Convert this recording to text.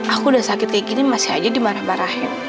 aku udah sakit kayak gini masih aja dimarah marahin